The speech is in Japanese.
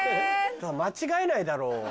間違えないだろう。